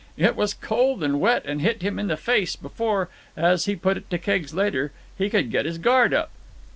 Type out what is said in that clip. It was cold and wet and hit him in the face before, as he put it to Keggs later, he could get his guard up.